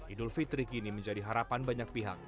idul fitri kini menjadi harapan banyak pihak